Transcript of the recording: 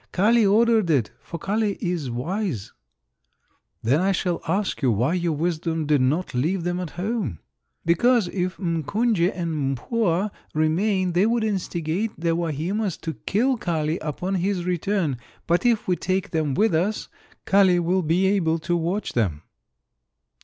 "Kali ordered it, for Kali is wise." "Then I shall ask you why your wisdom did not leave them at home?" "Because if M'Kunje and M'Pua remain they would instigate the Wahimas to kill Kali upon his return, but if we take them with us Kali will be able to watch them."